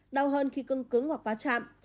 đau hơn khi cưng cứng hoặc phá chạm